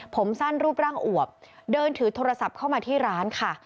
ผมสั้นรูปร่างอวบเดินถือโทรศัพท์เข้ามาที่ร้านค่ะ